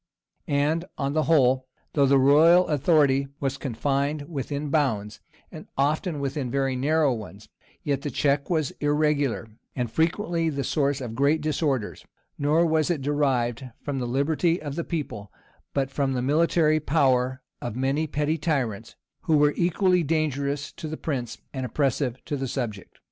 And, on the whole, though the royal authority was confined within bounds, and often within very narrow ones, yet the check was Irregular, and frequently the source of great disorders; nor was it derived from the liberty of the people, but from the military power of many petty tyrants, who were equally dangerous to the prince and oppressive to the subject.